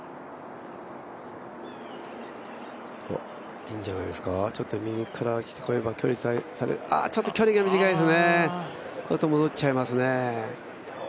いいんじゃないですかちょっと右からちょっと距離が短いですね、ちょっと戻っちゃいますね。